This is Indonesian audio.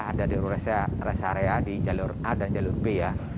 ada di rest area di jalur a dan jalur b ya